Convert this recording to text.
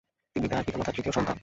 তিনি তার পিতামাতার তৃতীয় সন্তান।